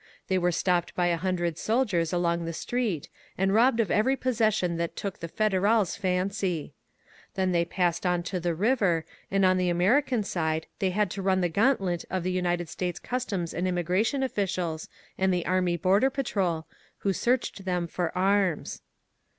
They were stopped by a hundred soldiers along the street, and robbed of every possession that took the Federals' fancy. Then they passed on to the river, and on the American side they had to run the gantlet of the United States customs and immigration officials and the Army Border Patrol, who searched them for arms.